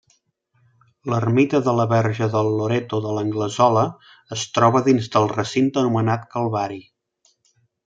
L'ermita de la Verge del Loreto de l'Anglesola es troba dins del recinte anomenat Calvari.